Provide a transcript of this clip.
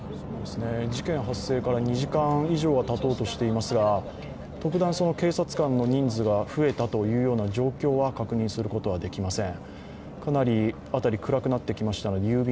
事件発生から２時間以上がたとうとしていますが特段、警察官の人数が増えたというような状況は確認できません。